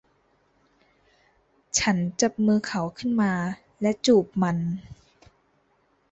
ฉันจับมือเขาขึ้นมาและจูบมัน